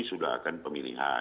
sudah akan pemilihan